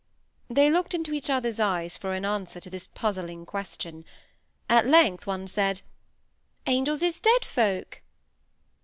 They looked into each other's eyes for an answer to this puzzling question. At length, one said, "Angels is dead folk."